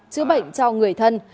chứa bệnh cho người thân